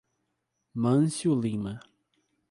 Mâncio Lima